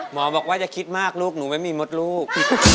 หมอบอกว่าอย่าคิดมากลูกหนูไม่มีมดลูก